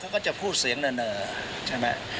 เขาก็จะพูดเสียงเนอใช่ไหม